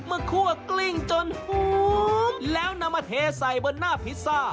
คั่วกลิ้งจนหอมแล้วนำมาเทใส่บนหน้าพิซซ่า